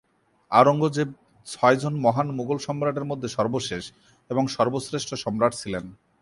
আওরঙ্গজেব ছয়জন মহান মুঘল সম্রাটের মধ্যে সর্বশেষ এবং সর্বশ্রেষ্ঠ সম্রাট ছিলেন।